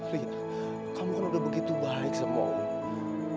lia kamu kan udah begitu baik sama om